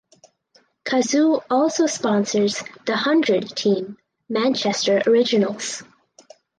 Cazoo also sponsors The Hundred team Manchester Originals.